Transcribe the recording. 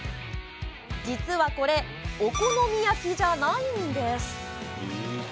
実は、これお好み焼きじゃないんです。